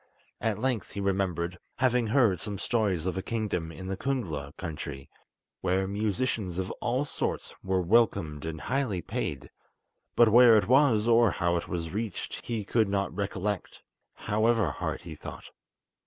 At length he remembered having heard some stories of a kingdom in the Kungla country, where musicians of all sorts were welcomed and highly paid; but where it was, or how it was reached, he could not recollect, however hard he thought.